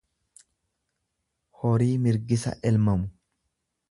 horii mirgisa elmamu.